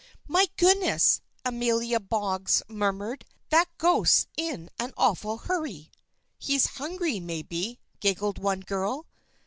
"My goodness!" Amelia Boggs murmured. "That ghost's in an awful hurry." "He's hungry, maybe," giggled one girl.